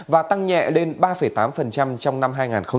và tăng nhẹ lên ba tám trong năm hai nghìn hai mươi